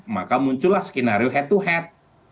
maka muncullah skenario head to head